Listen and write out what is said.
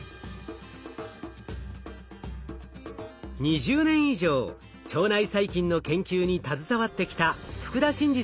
２０年以上腸内細菌の研究に携わってきた福田真嗣さんです。